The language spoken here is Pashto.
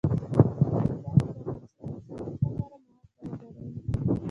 د ریګ دښتې د افغانستان د صنعت لپاره مواد برابروي.